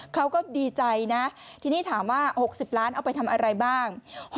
เขาก็ดีใจนะทีนี้ถามว่า๖๐ล้านเอาไปทำอะไรบ้าง